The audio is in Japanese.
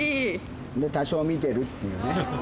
で多少見てるっていうね。